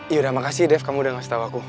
yaudah makasih dev kamu udah ngasih tau aku